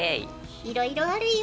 いろいろあるよ。